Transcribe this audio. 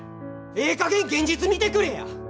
ええかげん現実見てくれや！